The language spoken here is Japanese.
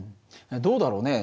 どうだろうね。